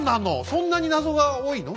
そんなに謎が多いの？